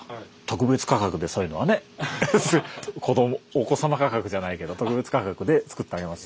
お子様価格じゃないけど特別価格で作ってあげますよ。